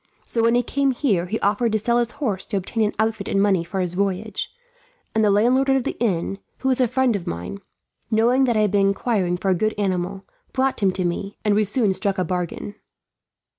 So when he came here, he offered to sell his horse to obtain an outfit and money for his voyage; and the landlord of the inn, who is a friend of mine, knowing that I had been inquiring for a good animal, brought him to me, and we soon struck a bargain."